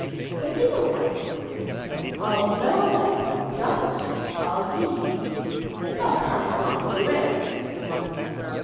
"The middle one," said he, "I'll blow away; the other two I'll leave." "Thou canst not do it," said one and all.